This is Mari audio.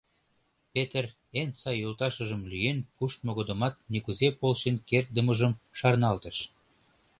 Петер эн сай йолташыжым лӱен пуштмо годымат нигузе полшен кердымыжым шарналтыш.